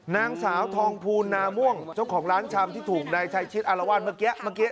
นางสาวทองภูลนาม่วงเจ้าของร้านชำที่ถูกนายชัยชิดอารวาสเมื่อกี้เมื่อกี้